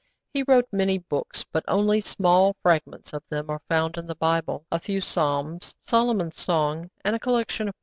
He wrote many books, but only small fragments of them are found in the Bible; a few Psalms, Solomon's Song, and a collection Proverbs.